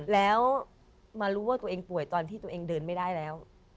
แล้วมารู้ว่าตัวเองป่วยตอนที่ตัวเองเดินไม่ได้แล้ว